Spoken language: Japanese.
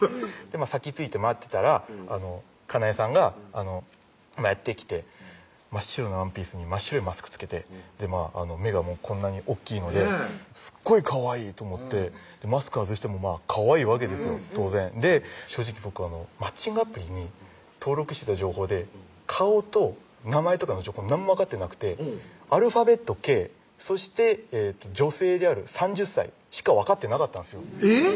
先着いて待ってたら加奈絵さんがやってきて真っ白なワンピースに真っ白いマスク着けて目がこんなに大っきいのですっごいかわいいと思ってマスク外してもかわいいわけですよ当然正直僕マッチングアプリに登録してた情報で顔と名前とかの情報何も分かってなくてアルファベットＫそして女性である３０歳しか分かってなかったんですえぇっ！